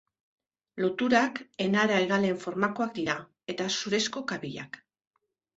Loturak enara-hegalen formakoak dira, eta zurezko kabilak.